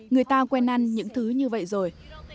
người ta quen ăn những thứ như vậy rồi